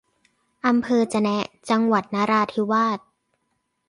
อำเภอจะแนะ จังหวัดนราธิวาส